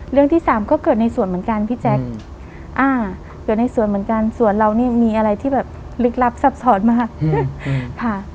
เรื่องที่สามก็เกิดในสวนเหมือนกันพี่แจ๊คอ่าเกิดในสวนเหมือนกันสวนเรานี่มีอะไรที่แบบลึกลับซับซ้อนมากค่ะ